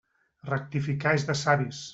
Rectificar és de savis.